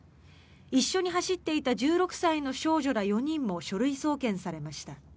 一緒に走っていた１６歳の少女ら４人も書類送検されました。